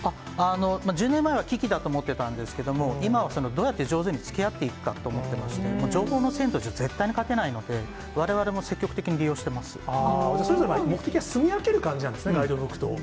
１０年前は危機だと思ってたんですけれども、今はどうやって上手につきあっていくかと思ってまして、情報の制度としては絶対に勝てないので、われわれも積極的に利用目的は、すみ分ける感じなんですね、ガイドブックと。